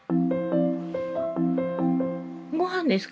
ごはんですか？